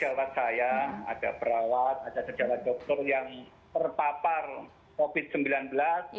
kalau kita mendengar ada sejauh saya ada perawat ada sejauh dokter yang terpapar covid sembilan belas